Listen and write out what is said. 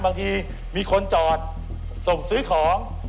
บางทีมีคนจอดส่งซื้อของ